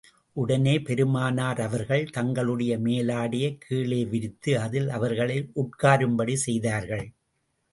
உடனே பெருமானார் அவர்கள், தங்களுடைய மேலாடையைக் கீழே விரித்து, அதில் அவர்களை உட்காரும்படி செய்தார்கள்.